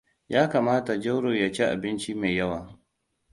Ya kamata Jauro ya ci abinci mai yawa.